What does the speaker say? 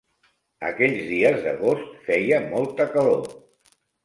Aquells dies d'agost feia molta calor.